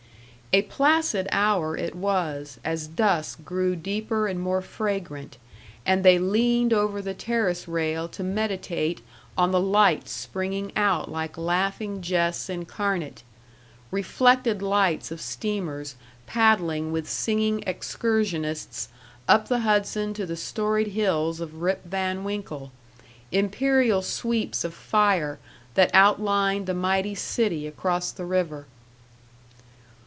A placid hour it was, as dusk grew deeper and more fragrant, and they leaned over the terrace rail to meditate on the lights springing out like laughing jests incarnate reflected lights of steamers paddling with singing excursionists up the Hudson to the storied hills of Rip Van Winkle; imperial sweeps of fire that outlined the mighty city across the river.